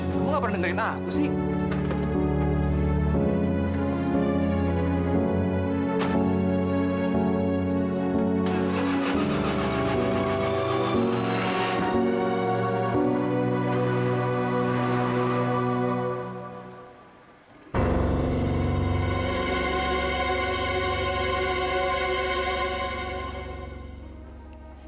kamu nggak pernah dengerin aku sih